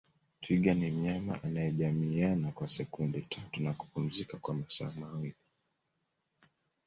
Twiga ni mnyama anayejamiiana kwa sekunde tatu na kupumzika kwa masaa mawili